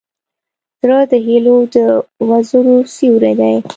زړه د هيلو د وزرو سیوری دی.